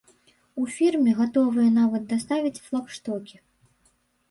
У фірме гатовыя нават даставіць флагштокі.